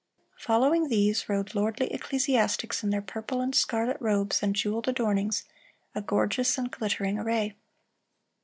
Following these rode lordly ecclesiastics in their purple and scarlet robes and jeweled adornings, a gorgeous and glittering array.